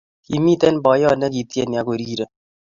Kimiten boyot nekitieni ako rire